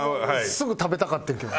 すぐ食べたかってんけど。